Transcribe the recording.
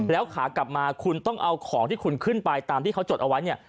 แล้วขากลับมาคุณต้องเอาของที่คุณขึ้นไปตามที่เขาจดเอาไว้เนี่ย